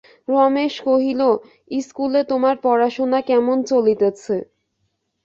রমেশ কহিল, ইস্কুলে তোমার পড়াশুনা কেমন চলিতেছে?